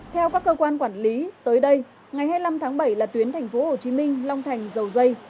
theo các cơ quan quản lý tới đây ngày hai mươi năm tháng bảy là tuyến tp hcm long thành dầu dây